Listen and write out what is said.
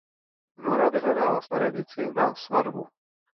Nora vyhledává staré věci na svatbu.